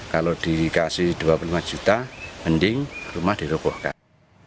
kalau dikasih dua puluh lima juta hending rumah dirobohkan